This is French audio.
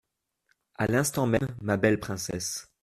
À l'instant même, ma belle princesse.